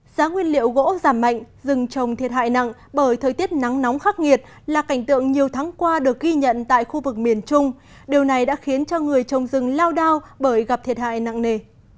giá nguyên liệu gỗ giảm mạnh rừng trồng thiệt hại nặng bởi thời tiết nắng nóng khắc nghiệt là cảnh tượng nhiều tháng qua được ghi nhận tại khu vực miền trung điều này đã khiến cho người trồng rừng lao đao bởi gặp thiệt hại nặng nề